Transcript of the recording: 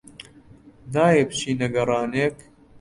نایەی بچینە گەڕانێک؟